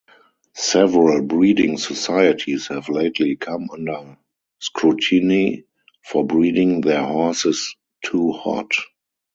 Several breeding societies have lately come under scrutiny for breeding their horses too "hot".